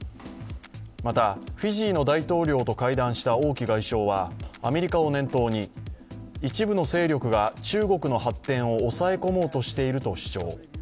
また、フィジーの大統領と会談した王毅外相はアメリカを念頭に、一部の勢力が中国の発展を抑え込もうとしていると主張。